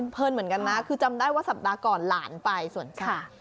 เหมือนกันนะคือจำได้ว่าสัปดาห์ก่อนหลานไปสวัสดีค่ะ